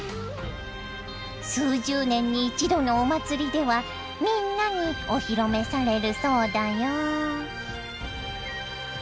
数十年に一度のお祭りではみんなにお披露目されるそうだよ。